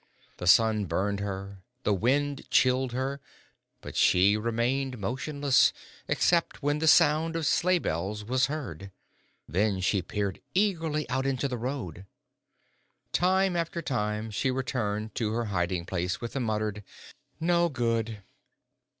The sun burned her, the wind chilled her, but she remained motionless, except when the sound of sleigh bells was heard. Then she peered eagerly out into the road. Time after time she returned to her hiding place with a muttered, "No good!"